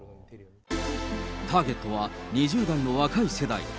ターゲットは２０代の若い世代。